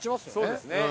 そうですね。